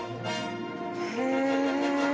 へえ。